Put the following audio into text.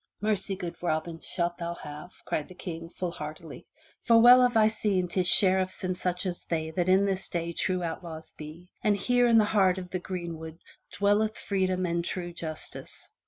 "Mercy, good Robin, shalt thou have," cried the King, full heartily. "For well have I seen 'tis sheriffs and such as they that in this day true outlaws be, and here in the heart of the green wood dwelleth freedom and true justice.